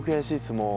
もう。